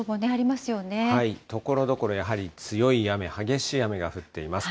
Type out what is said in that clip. ところどころ、やはり強い雨、激しい雨が降っています。